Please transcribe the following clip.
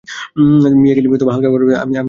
মিয়া গিনি হালকা গলায় বললেন, আমি গাড়ি পাঠাচ্ছি।